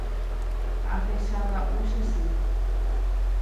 Ahechaga'u che sýpe.